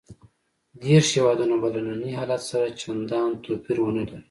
دېرش هېوادونه به له ننني حالت سره چندان توپیر ونه لري.